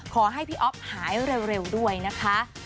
ขอให้พี่อ๊อฟหายเร็วด้วยนะคะ